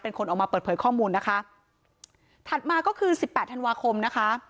เป็นคนออกมาเปิดเผยข้อมูลนะคะถัดมาก็คือสิบแปดธันวาคมนะคะ